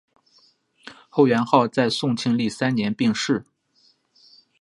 后元昊在宋庆历三年病逝。